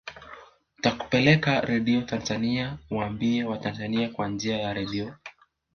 nitakupeleka radio tanzania uwaambie watanzania kwa njia ya radio